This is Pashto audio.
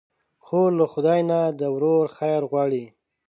خور له خدای نه د ورور خیر غواړي.